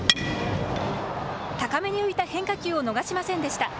高めに浮いた変化球を逃しませんでした。